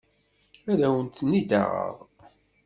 Ad awen-ten-id-aɣeɣ.